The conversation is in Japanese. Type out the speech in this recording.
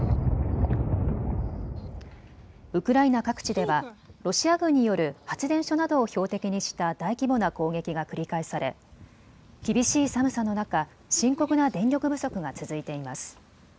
ウクライナ各地ではロシア軍による発電所などを標的にした大規模な攻撃が繰り返され厳しい寒さの中、深刻な電力不足が続いています。